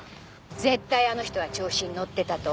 絶対あの人は調子に乗ってたと思う。